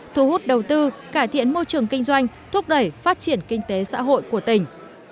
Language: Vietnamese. thu hút đầu tư cải thiện môi trường kinh doanh thúc đẩy phát triển kinh tế xã hội của tỉnh